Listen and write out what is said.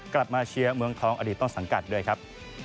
กลับมาเชียร์เมืองทองอดีตต้นสังกัดด้วยครับ